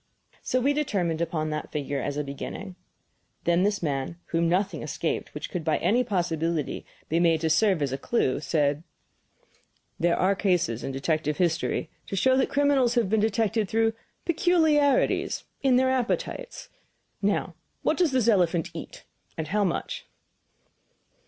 So we determined upon that figure as a beginning. Then this man, whom nothing escaped which could by any possibility be made to serve as a clue, said: "There are cases in detective history to show that criminals have been detected through peculiarities, in their appetites. Now, what does this elephant eat, and how much?"